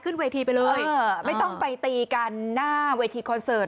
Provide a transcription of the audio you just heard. ขึ้นเวทีไปเลยไม่ต้องไปตีกันหน้าเวทีคอนเสิร์ต